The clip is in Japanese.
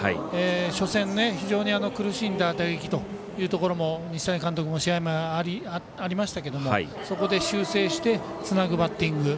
初戦、非常に苦しんだ打撃というところも西谷監督も試合前、ありましたけどもそこで修正してつなぐバッティング。